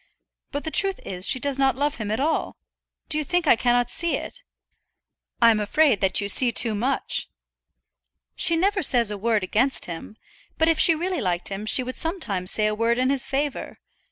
But the truth is she does not love him at all. Do you think I cannot see it?" "I'm afraid that you see too much." "She never says a word against him; but if she really liked him she would sometimes say a word in his favour.